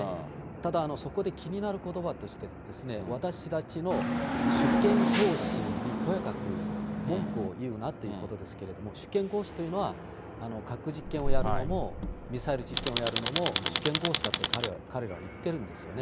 ただ、そこで気になることばとして、私たちの主権行使にとやかく文句を言うなということですけれども、主権行使というのは、核実験をやるのも、ミサイル実験をやるのも、主権行使だと彼らは言ってるんですよね。